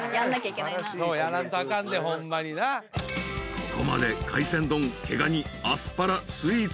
［ここまで海鮮丼毛ガニアスパラスイーツ